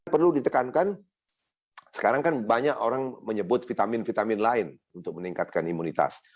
perlu ditekankan sekarang kan banyak orang menyebut vitamin vitamin lain untuk meningkatkan imunitas